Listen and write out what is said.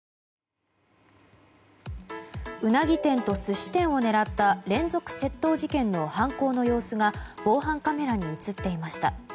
ウナギ店と寿司店を狙った連続窃盗事件の犯行の様子が防犯カメラに映っていました。